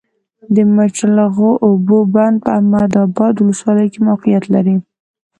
د مچلغو اوبو بند په احمد ابا ولسوالۍ کي موقعیت لری